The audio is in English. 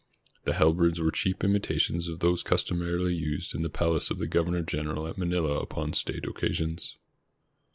The halberds were cheap imitations of those customarily used in the palace of the governor general at Manila upon state occasions.